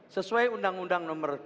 sesuai undang undang nomor tujuh